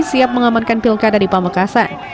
siap mengamankan pilkada di pamekasan